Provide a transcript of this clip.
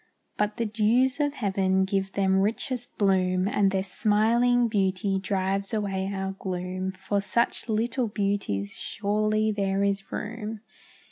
But the dews of heaven give them richest bloom, And their smiling beauty drives away our gloom; For such little beauties surely there is room.